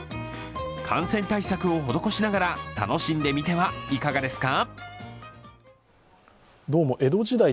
感染対策を施しながら、楽しんでみてはいかがですか？